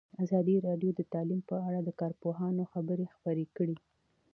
ازادي راډیو د تعلیم په اړه د کارپوهانو خبرې خپرې کړي.